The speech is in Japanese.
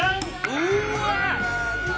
うわ！